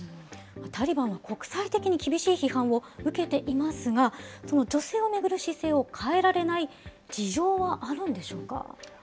タリバンは国際的に厳しい批判を受けていますが、その女性を巡る姿勢を変えられない事情はあるんでしょうか。